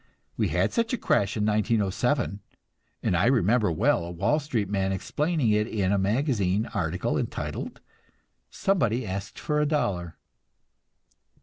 We had such a crash in 1907, and I remember a Wall Street man explaining it in a magazine article entitled, "Somebody Asked for a Dollar."